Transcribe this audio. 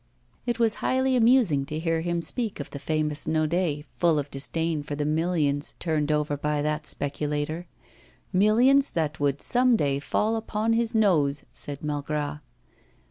It was highly amusing to hear him speak of the famous Naudet, full of disdain for the millions turned over by that speculator, 'millions that would some day fall upon his nose,' said Malgras.